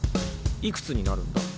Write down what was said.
いくつになるんだ？